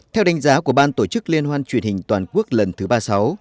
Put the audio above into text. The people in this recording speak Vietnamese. theo đánh giá của ban tổ chức liên hoan truyền hình toàn quốc lần thứ ba mươi sáu